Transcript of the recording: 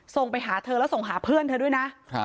ส่งไปหาเธอแล้วส่งหาเพื่อนเธอด้วยนะ